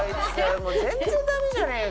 「もう全然ダメじゃねえか！」